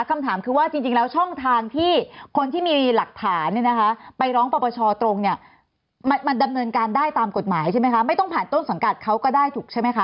คำถามคือว่าจริงแล้วช่องทางที่คนที่มีหลักฐานเนี่ยนะคะไปร้องปรปชตรงเนี่ยมันดำเนินการได้ตามกฎหมายใช่ไหมคะไม่ต้องผ่านต้นสังกัดเขาก็ได้ถูกใช่ไหมคะ